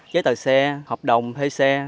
chế tờ xe hợp đồng thuê xe